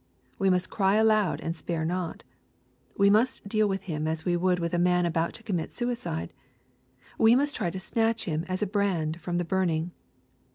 We must cry aloud and spare not. We must deal with him as we would with a man about to commit suicide. We must try to snatch him as a brand from the burning.